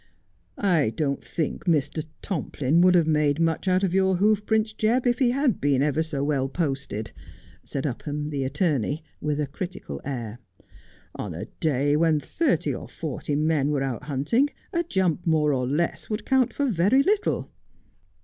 ' I don't think Mr. Tomplin would have made much out of your hoof prints, Jebb, if he had been ever so well posted,' said Upham, the attorney, with a critical air. ' On a day when thirty or forty men were out hunting, a jump more or less would count for very little.'